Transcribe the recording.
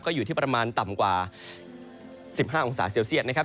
อยู่ที่ประมาณต่ำกว่า๑๕องศาเซลเซียตนะครับ